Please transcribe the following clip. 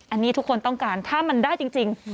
อันนี้ทุกคนต้องการถ้ามันได้จริง